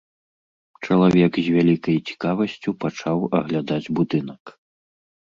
Чалавек з вялікай цікавасцю пачаў аглядаць будынак.